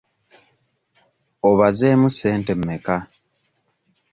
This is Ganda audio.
Obazeemu ssente mmeka?